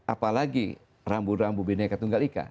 apalagi rambu rambu bineka tunggal ika